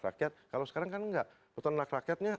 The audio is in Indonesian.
rakyat kalau sekarang kan enggak peternak rakyatnya